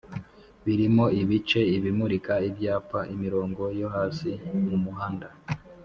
birimo ibice ibimurika-ibyapa ,imirongo yo hasi mumuhanda